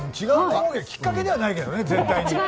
きっかけではないけどね絶対。